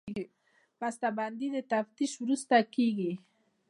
بسته بندي د تفتیش وروسته کېږي.